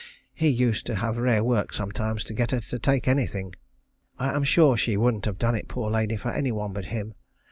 He used to have rare work sometimes to get her to take anything. I am sure she wouldn't have done it poor lady for any one but him.